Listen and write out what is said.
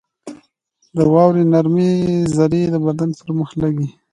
• د واورې نرمې ذرې د بدن پر مخ لګي.